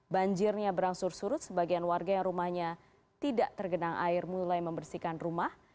banjirnya berangsur surut sebagian warga yang rumahnya tidak tergenang air mulai membersihkan rumah